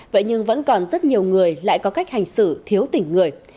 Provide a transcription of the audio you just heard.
vậy nhưng vẫn còn rất nhiều người lại có cách hành xử thiếu tỉnh người